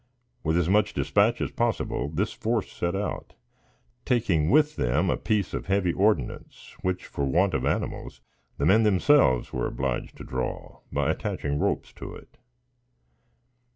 With as much dispatch as possible, this force set out, taking with them a piece of heavy ordnance, which, for want of animals, the men themselves were obliged to draw, by attaching ropes to it.